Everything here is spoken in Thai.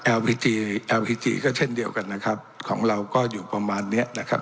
แอลพิธีก็เช่นเดียวกันนะครับของเราก็อยู่ประมาณเนี้ยนะครับ